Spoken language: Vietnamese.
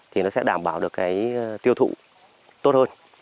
thì nó sẽ đảm bảo được cái tiêu thụ tốt hơn